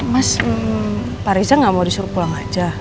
mas pak riza nggak mau disuruh pulang aja